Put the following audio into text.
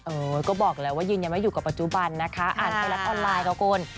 อู๊ก็บอกอะไรว่ายืนยังไม่อยู่กับปัจจุบันนะคะอ่านไปแล้วออนไลน์กะโกน